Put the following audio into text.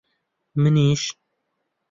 منیش.